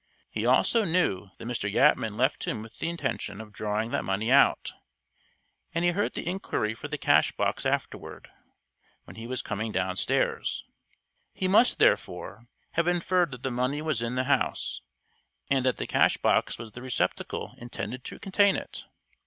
He also knew that Mr. Yatman left him with the intention of drawing that money out; and he heard the inquiry for the cash box afterward, when he was coming downstairs. He must, therefore, have inferred that the money was in the house, and that the cash box was the receptacle intended to contain it.